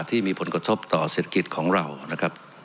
ที่มีผลกระทบต่อเศรษฐกิจของเรานะครับ